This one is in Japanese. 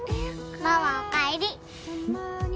ママおかえり。